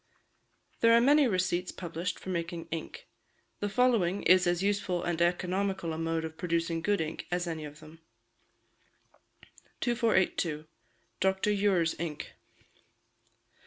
There are many receipts published for making ink; the following is as useful and economical a mode of producing good ink as any of them: 2482. Dr. Ure's Ink.